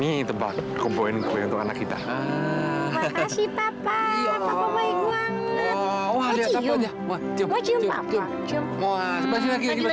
itu bukan anak kamu mas